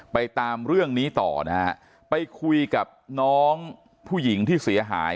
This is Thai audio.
ตามเรื่องนี้ต่อนะฮะไปคุยกับน้องผู้หญิงที่เสียหาย